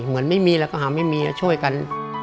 เหมือนไม่มีแล้วก็หาไม่มีช่วยกัน